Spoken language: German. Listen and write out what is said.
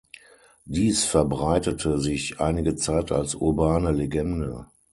Dies verbreitete sich einige Zeit als urbane Legende.